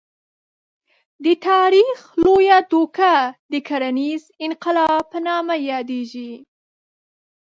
د تاریخ لویه دوکه د کرنیز انقلاب په نامه یادېږي.